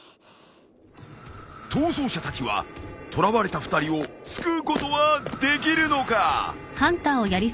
逃走者たちは捕らわれた２人を救うことはできるのか？